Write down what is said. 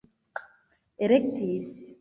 elektis